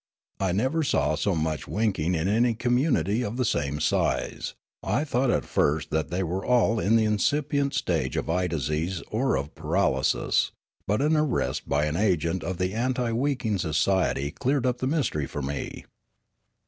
I never saw so much winking in any community of the same size ; I thought at first that they were all in the incipient stage of eye disease or of paralysis; but an arrest by an agent of the anti winking society cleared up the mystery for me.